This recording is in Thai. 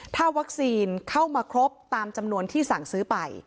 ถ้าวัคซีนเข้ามาครบตามจำนวนที่สั่งซื้อไป